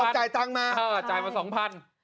ใจการมาใช่จ่ายมาสองพัน